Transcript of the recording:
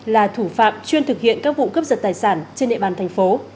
là thủ phạm chuyên thực hiện các vụ cướp giật tài sản trên địa bàn thành phố